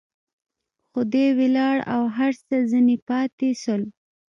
خو دى ولاړ او هر څه ځنې پاته سول.